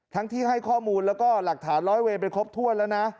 ที่ให้ข้อมูลแล้วก็หลักฐานร้อยเวนไปครบถ้วนแล้วนะ